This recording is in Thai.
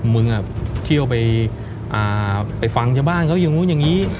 มึงเที่ยวไปฟังชาวบ้านเขาอย่างนู้นอย่างนี้